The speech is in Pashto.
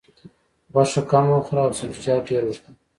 غوښه کمه وخوره او سبزیجات ډېر وخوره.